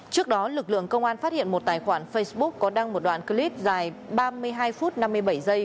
trước đó lực lượng công an phát hiện một tài khoản facebook có đăng một đoạn clip dài ba mươi hai phút năm mươi bảy giây